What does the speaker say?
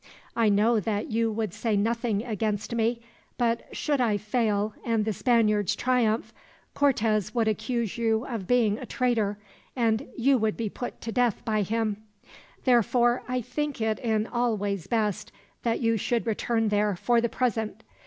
I know that you would say nothing against me, but should I fail and the Spaniards triumph, Cortez would accuse you of being a traitor, and you would be put to death by him. "Therefore, I think it in all ways best that you should return there, for the present.